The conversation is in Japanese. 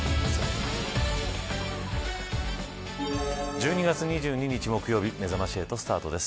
１２月２２日、木曜日めざまし８スタートです。